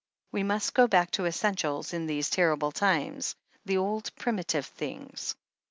We must go back to essentials in these terrible times — the old, primitive things."